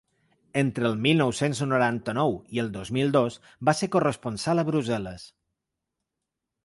Entre el mil nou-cents noranta-nou i el dos mil dos va ser corresponsal a Brussel·les.